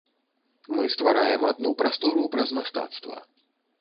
Мы ствараем адну прастору праз мастацтва.